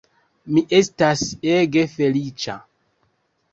Mi estas ege feliĉa!